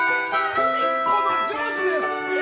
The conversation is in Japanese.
隅っこのジョージです！